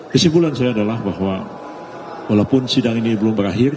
kesimpulan saya adalah bahwa walaupun sidang ini belum berakhir